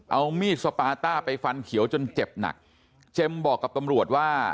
เอามีดสปาต้าไปฟันเขียวจนเจ็บหนักเจมส์บอกกับตำรวจว่า